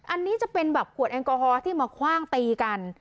อันนี้จะเป็นแบบขวดแอลกอฮอลที่มาคว่างตีกัน